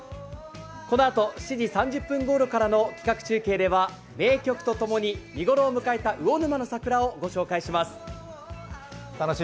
このあと７時３０分ごろからの企画中継では名曲と共に見頃を迎えた魚沼の桜をお届けします。